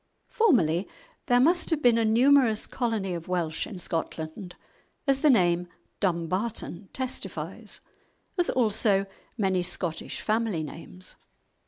Formerly there must have been a numerous colony of Welsh in Scotland, as the name "Dumbarton" testifies, as also many Scottish family names.